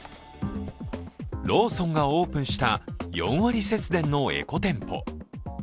ローソンがオープンした４割節電のエコ店舗。